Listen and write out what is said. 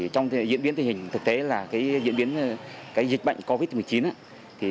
trong diễn biến tình hình thực tế là diễn biến dịch bệnh covid một mươi chín